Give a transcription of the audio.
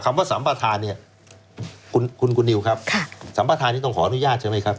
คำว่าสัมภาษณ์เนี่ยคุณกูนิวครับสัมภาษณ์นี้ต้องขอนุญาตใช่ไหมครับ